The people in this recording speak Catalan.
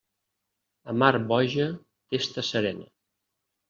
A mar boja, testa serena.